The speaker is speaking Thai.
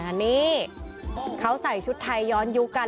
อันนี้เขาใส่ชุดไทยย้อนยุคกัน